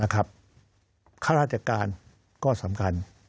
ข้าราชการก็สำคัญ